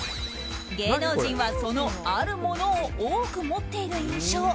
芸能人はその、あるものを多く持っている印象。